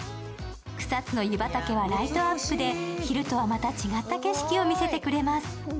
草津の湯畑はライトアップで、昼とはまた違った景色を見せてくれます。